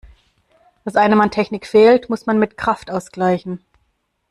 Was einem an Technik fehlt, muss man mit Kraft ausgleichen.